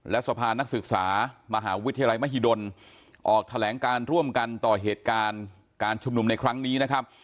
และสภานักศึกษามหาวิทยาลัยมหิดลออกแถลงการร่วมกันต่อเหตุการณ์การชุมนุมในครั้งนี้นะครับ